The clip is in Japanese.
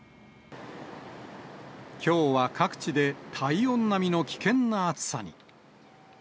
きょうは各地で体温並みの危険な暑さに。